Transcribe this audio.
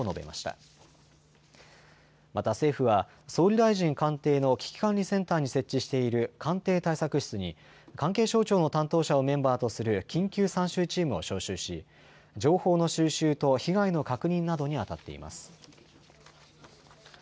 また政府は総理大臣官邸の危機管理センターに設置している官邸対策室に関係省庁の担当者をメンバーとする緊急参集チームを招集し情報の収集と被害の確認などにあたっています。